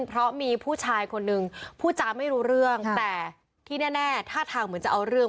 เพราะมีผู้ชายคนนึงพูดจาไม่รู้เรื่องแต่ที่แน่ท่าทางเหมือนจะเอาเรื่อง